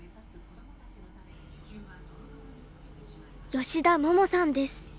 吉田桃さんです。